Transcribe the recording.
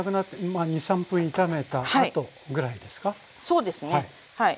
そうですねはい。